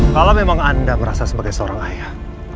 kalau memang anda merasa sebagai seorang ayah